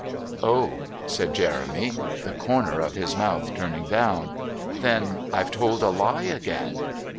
"Oh!" said Jeremy, the corner of his mouth turning down. "Then I've told a lie again!"